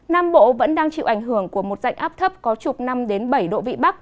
nam bộ vẫn đang chịu ảnh hưởng của một dạnh áp thấp có trục năm bảy độ vị bắc